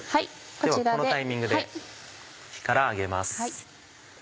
このタイミングで火から上げます。